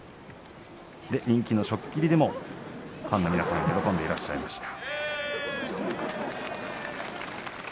人気のしょっきりでもファンの皆さんが喜んでいらっしゃいました。